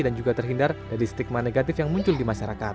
dan juga terhindar dari stigma negatif yang muncul di masyarakat